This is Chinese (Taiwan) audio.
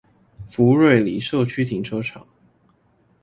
福瑞里社區停車場